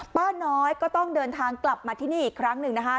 ป้าน้อยก็ต้องเดินทางกลับมาที่นี่อีกครั้งหนึ่งนะคะ